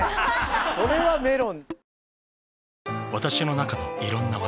これはメロン。